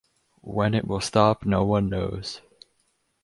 When it will stop no one knows.